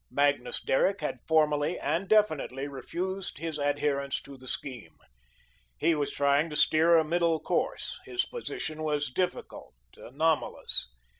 Magnus Derrick had formally and definitely refused his adherence to the scheme. He was trying to steer a middle course. His position was difficult, anomalous.